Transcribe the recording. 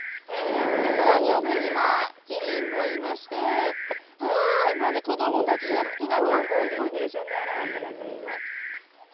さらに奥にはキリンもいまして、もうね、子どもたちが好きな動物、イルミネーションで表されています。